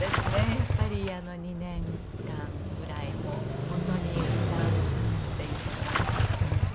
やっぱり２年間ぐらいもう本当に歌うっていう事がなかったんで。